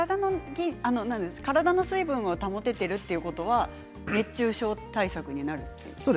体の水分を保てているということは熱中症対策になるということですか？